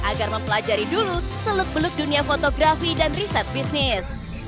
agar mempelajari dulu seluk beluk dunia fotografi dan riset bisnis